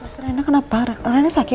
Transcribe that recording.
mas rena kenapa rena sakit